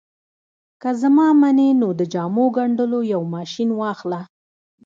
که زما منې نو د جامو ګنډلو یو ماشين واخله